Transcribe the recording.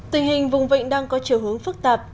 tình hình vùng vịnh đang có chiều hướng phức tạp